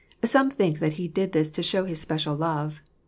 Some think that he did this to show his special love.